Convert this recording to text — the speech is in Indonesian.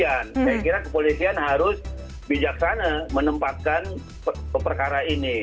saya kira kepolisian harus bijaksana menempatkan perkara ini